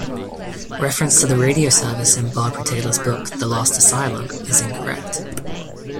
Reference to the radio service in Barbara Taylor's book The Last Asylum is incorrect.